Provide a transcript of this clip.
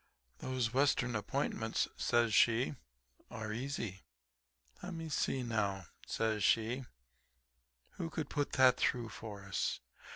"'Those western appointments,' says she, 'are easy. Le'me see, now,' says she, 'who could put that through for us.